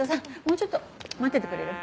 もうちょっと待っててくれる？